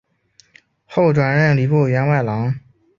后转任礼部员外郎。